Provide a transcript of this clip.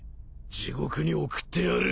地獄に送ってやる。